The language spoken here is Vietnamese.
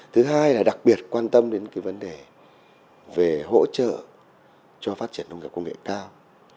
thứ hai là đặc biệt quan tâm đến cái vấn đề về hỗ trợ cho phát triển nông nghiệp công nghệ cao